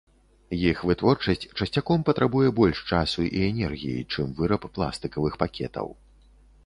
Іх вытворчасць часцяком патрабуе больш часу і энергіі, чым выраб пластыкавых пакетаў.